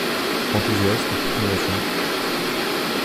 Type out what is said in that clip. Enthousiasme, convention